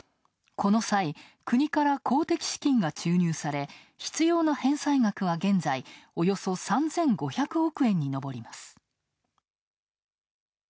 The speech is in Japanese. この際、国から公的資金が注入され、必要な返済額は現在、およそ３５００億円に上ります。